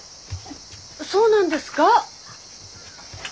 そうなんですか？